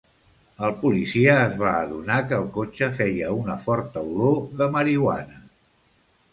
El policia es va adonar que el cotxe feia una forta olor de marihuana.